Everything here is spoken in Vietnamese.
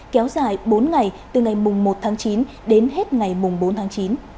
kéo dài bốn ngày từ ngày mùng một tháng chín đến hết ngày mùng bốn tháng chín